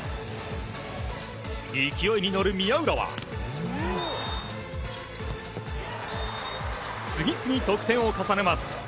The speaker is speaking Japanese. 勢いに乗る宮浦は次々、得点を重ねます。